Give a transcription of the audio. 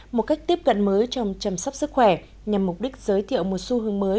một cách tiếp cận mới trong chăm sóc sức khỏe nhằm mục đích giới thiệu một xu hướng mới